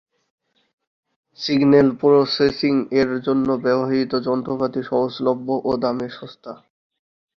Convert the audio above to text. Signal processing এর জন্য ব্যবহৃত যন্ত্রপাতি সহজলভ্য ও দামে সস্তা।